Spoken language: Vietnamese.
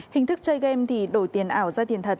hình thức chơi game thì đổi tiền ảo ra tiền thật